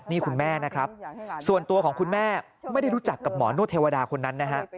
นี่คุณแม่นะครับส่วนตัวของคุณแม่ไม่ได้รู้จักกับหมอนวดเทวดาคนนั้นนะฮะ